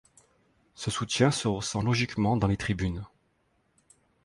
Ce soutien se ressent logiquement dans les tribunes.